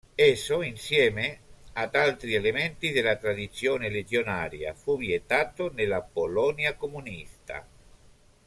Esso, insieme ad altri elementi della tradizione legionaria, fu vietato nella Polonia comunista.